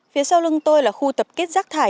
phía sau lưng tôi là khu tập kết rác thải